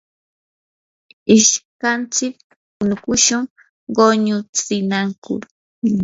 ishkantsik punukushun quñutsinakur.